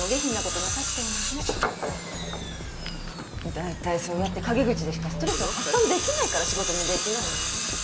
大体そうやって陰口でしかストレスを発散できないから仕事もできないのよ。